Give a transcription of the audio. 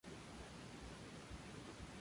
Contiene una sillería.